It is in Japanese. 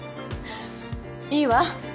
いいわ。